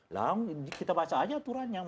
lah kita baca aja aturannya